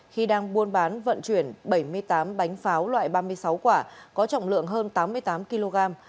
khi đang buôn bán vận chuyển bảy mươi tám bánh pháo loại ba mươi sáu quả có trọng lượng hơn tám mươi tám kg